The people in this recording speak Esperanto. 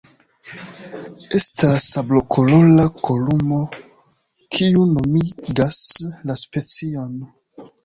Estas sablokolora kolumo, kiu nomigas la specion.